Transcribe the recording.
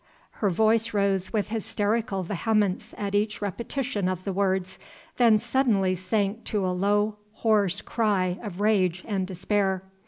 Her voice rose with hysterical vehemence at each repetition of the words then suddenly sank to a low hoarse cry of rage and despair.